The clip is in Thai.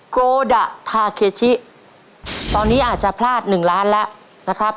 โกดะทาเคชิตอนนี้อาจจะพลาดหนึ่งล้านแล้วนะครับ